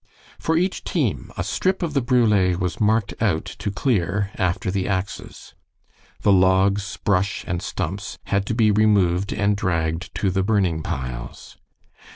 For each team a strip of the brule was marked out to clear after the axes. The logs, brush, and stumps had to be removed and dragged to the burning piles.